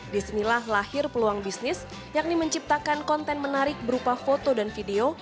disinilah lahir peluang bisnis yakni menciptakan konten menarik berupa foto dan video